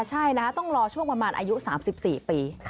ใช่นะต้องรอช่วงประมาณอายุ๓๔ปี